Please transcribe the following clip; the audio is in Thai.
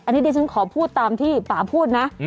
อันนี้ดิฉันขอพูดตามที่ป่าพูดนะ